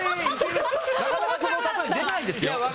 なかなかその例え出ないですね。